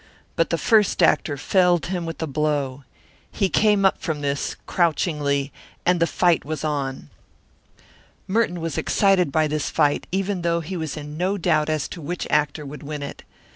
But the first actor felled him with a blow. He came up from this, crouchingly, and the fight was on. Merton was excited by this fight, even though he was in no doubt as to which actor would win it.